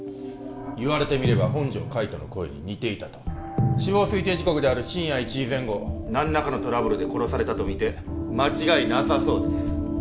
言われてみれば本条海斗の声に似ていたと死亡推定時刻である深夜１時前後何らかのトラブルで殺されたとみて間違いなさそうです